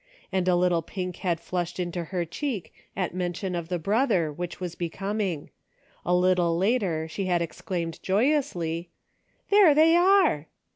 And a little pink had flushed into her cheek at mention of the brother, which was becoming ; a little later she had exclaimed joyously, —" There they are